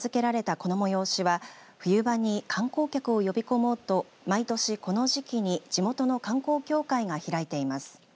この催しは冬場に観光客を呼び込もうと毎年この時期に地元の観光協会が開いています。